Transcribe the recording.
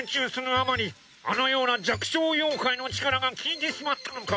あまりあのような弱小妖怪の力が効いてしまったのか。